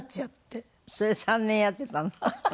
それ３年やってたの？